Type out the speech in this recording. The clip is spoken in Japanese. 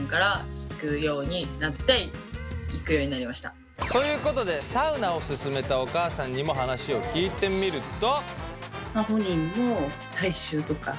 今ブームだもんね。ということでサウナを勧めたお母さんにも話を聞いてみると。